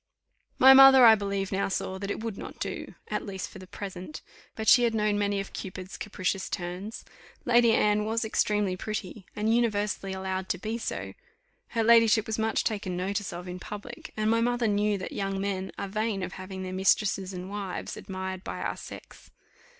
My mother, I believe, now saw that it would not do, at least for the present; but she had known many of Cupid's capricious turns. Lady Anne was extremely pretty, and universally allowed to be so; her ladyship was much taken notice of in public, and my mother knew that young men are vain of having their mistresses and wives admired by our sex.